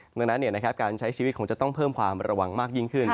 ดังนั้นการใช้ชีวิตคงจะต้องเพิ่มความระวังมากยิ่งขึ้น